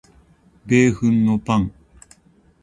米粉のパン